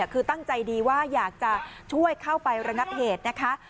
คือตั้งใจดีว่าอยากจะช่วยเข้าไประงับเหตุนะคะ